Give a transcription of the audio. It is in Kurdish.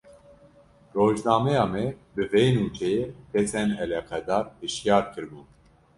Rojnameya me, bi vê nûçeyê kesên eleqedar hişyar kiribûn